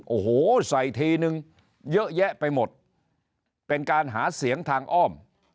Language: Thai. โอ้โหใส่ทีนึงเยอะแยะไปหมดเป็นการหาเสียงทางอ้อม